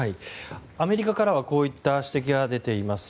アメリカからはこうした指摘が出ています。